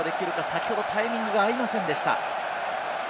先ほどはタイミングが合いませんでした。